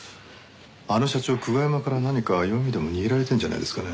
あの社長久我山から何か弱みでも握られてるんじゃないですかね？